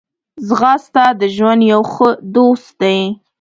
ځغاسته د ژوند یو ښه دوست دی